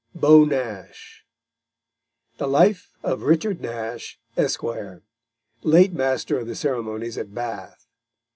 BEAU NASH THE LIFE OF RICHARD NASH, ESQ.; _late Master of the Ceremonies at Bath.